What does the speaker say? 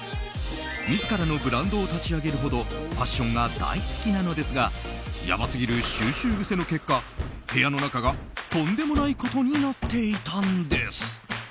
自らのブランドを立ち上げるほどファッションが大好きなのですがやばすぎる収集癖の結果部屋の中がとんでもないことになっていたんです。